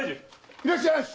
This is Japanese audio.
いらっしゃいやし！